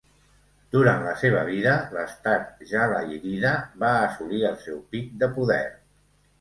Durant la seva vida, l'estat jalayírida va assolir el seu pic de poder.